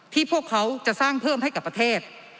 พวกเขาจะสร้างเพิ่มให้กับประเทศ